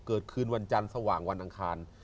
คืนวันจันทร์สว่างวันอังคาร